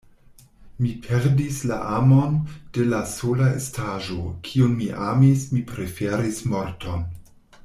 Mi perdis la amon de la sola estaĵo, kiun mi amis; mi preferis morton.